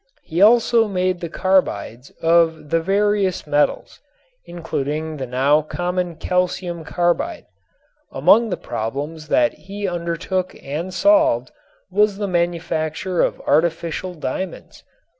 He also made the carbides of the various metals, including the now common calcium carbide. Among the problems that he undertook and solved was the manufacture of artificial diamonds.